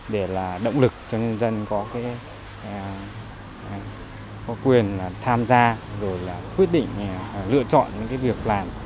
để động lực cho nhân dân có quyền tham gia quyết định lựa chọn những việc làm